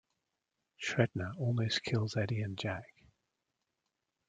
Sredna almost kills Eddie and Jack.